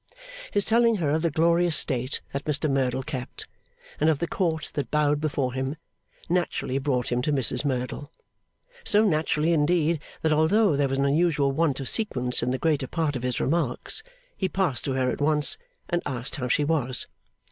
His telling her of the glorious state that Mr Merdle kept, and of the court that bowed before him, naturally brought him to Mrs Merdle. So naturally indeed, that although there was an unusual want of sequence in the greater part of his remarks, he passed to her at once, and asked how she was.